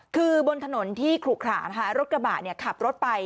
คือบนถนนที่ขลุขระนะคะรถกระบะขับรถไป